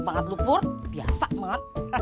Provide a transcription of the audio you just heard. puluh ribu pas